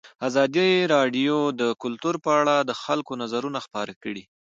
ازادي راډیو د کلتور په اړه د خلکو نظرونه خپاره کړي.